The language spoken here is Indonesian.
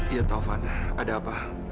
iya taufan ada apa